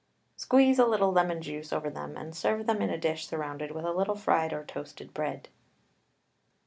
Squeeze, a little lemon juice over them and serve them in a dish surrounded with a little fried or toasted bread.